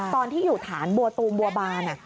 ตอนที่อยู่ฐานบัวตูมบัวบาน